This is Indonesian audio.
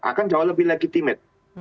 akan jauh lebih legitimet